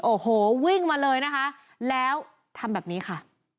โอ้โหวิ่งมาเลยนะคะแล้วทำแบบนี้ค่ะ